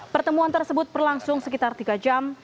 pertemuan tersebut berlangsung sekitar tiga jam